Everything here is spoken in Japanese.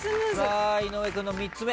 さあ井上君の３つ目。